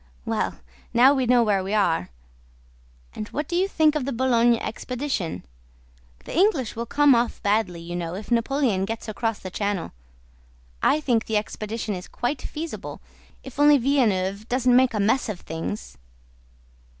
Well, now we know where we are. And what do you think of the Boulogne expedition? The English will come off badly, you know, if Napoleon gets across the Channel. I think the expedition is quite feasible. If only Villeneuve doesn't make a mess of things!"